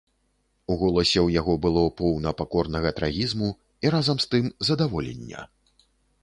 У голасе ў яго было поўна пакорнага трагізму і разам з тым задаволення.